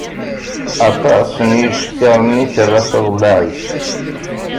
Aṭas n yicekkaṛen i terra s aḍellaɛ-is.